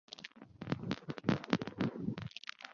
奉天农业试验场在这样的背景下成立。